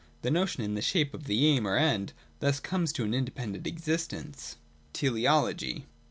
The notion in the shape of the aim or end thus comes into independent existence. (c) Teleology.